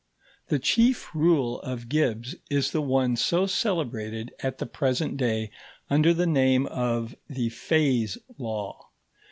The chief rule of Gibbs is the one so celebrated at the present day under the name of the Phase Law.